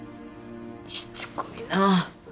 しつこいなぁ。